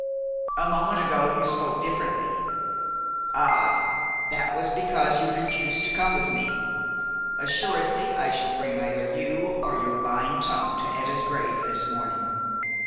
"A moment ago you spoke differently." "Ah, that was because you refused to come with me. Assuredly I shall bring either you or your lying tongue to Etta's grave this morning.